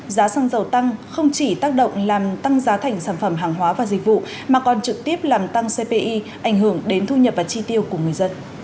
giá xăng dầu tăng không chỉ tác động làm tăng giá thành sản phẩm hàng hóa và dịch vụ mà còn trực tiếp làm tăng cpi ảnh hưởng đến thu nhập và chi tiêu của người dân